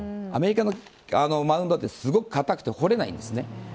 アメリカのマウンドはすごく硬くて掘れないんです。